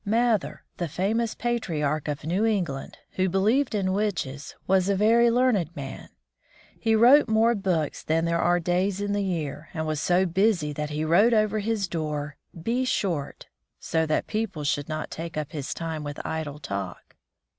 ] Mather, the famous "Patriarch of New England," who believed in witches, was a very learned man. He wrote more books than there are days in the year, and was so busy that he wrote over his door, "Be short," so that people should not take up his time with idle talk.